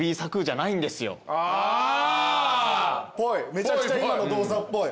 めちゃくちゃ今の動作っぽい。